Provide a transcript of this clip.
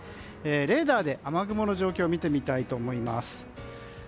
レーダーで雨雲の状況を見てみたいと思います。